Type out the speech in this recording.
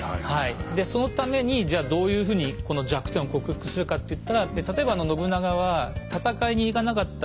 そのためにじゃどういうふうにこの弱点を克服するかっていったら例えば信長は戦いに行かなかった部下